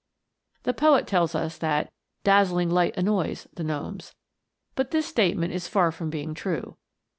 The poet tells us that " dazzling light annoys" the gnomes, but this statement is far from being true.